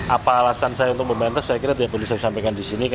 apa alasan saya untuk membantah saya kira tidak boleh saya sampaikan di sini